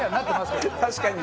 確かに。